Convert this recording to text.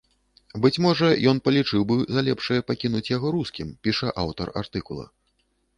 Быць можа, ён палічыў бы за лепшае пакінуць яго рускім, піша аўтар артыкула.